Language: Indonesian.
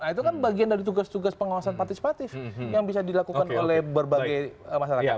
nah itu kan bagian dari tugas tugas pengawasan partisipatif yang bisa dilakukan oleh berbagai masyarakat